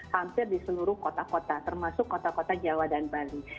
hampir di seluruh kota kota termasuk kota kota jawa dan bali